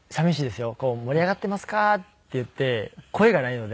「盛り上がってますか」って言って声がないので。